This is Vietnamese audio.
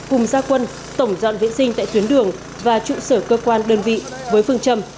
cùng gia quân tổng dọn vệ sinh tại tuyến đường và trụ sở cơ quan đơn vị với phương châm